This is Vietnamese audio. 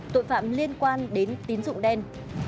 tội phạm liên quan đến tín dụng đen